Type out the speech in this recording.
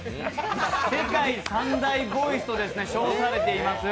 世界三大ボイスと称されています